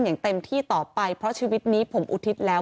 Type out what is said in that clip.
อย่างเต็มที่ต่อไปเพราะชีวิตนี้ผมอุทิศแล้ว